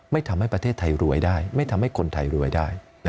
ทำให้ประเทศไทยรวยได้ไม่ทำให้คนไทยรวยได้